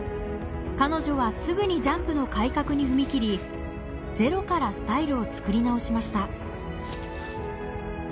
彼女はすぐにジャンプの改革に踏み切りゼロからスタイルを作り直しました。